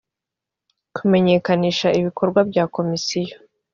kumenyekanisha ibikorwa bya komisiyo